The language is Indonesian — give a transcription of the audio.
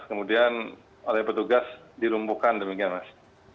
kemudian oleh petugas dilumpuhkan demikian mas